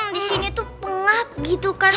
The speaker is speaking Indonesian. di sini tuh pengat gitu kan